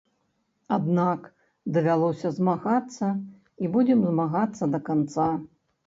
Аднак, давялося змагацца і будзем змагацца да канца.